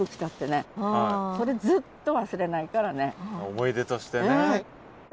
思い出としてね。